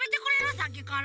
さっきから。